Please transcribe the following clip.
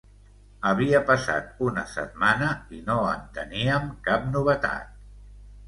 Havia passat una setmana i no en teníem cap novetat.